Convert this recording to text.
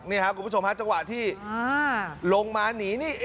นี่ครับคุณผู้ชมฮะจังหวะที่ลงมาหนีนี่